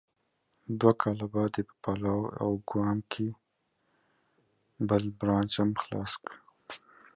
Two years later, it opened a branch in both Palau and Guam.